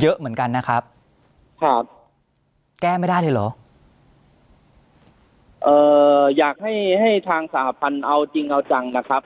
เยอะเหมือนกันนะครับครับแก้ไม่ได้เลยเหรอเอ่ออยากให้ให้ทางสหพันธ์เอาจริงเอาจังนะครับ